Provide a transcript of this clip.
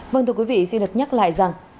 vâng thưa quý vị xin được nhắc lại rằng